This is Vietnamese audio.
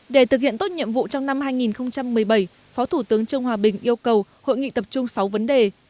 để thực hiện tốt nhiệm vụ trong năm hai nghìn một mươi bảy phó thủ tướng trương hòa bình yêu cầu hội nghị tập trung sáu vấn đề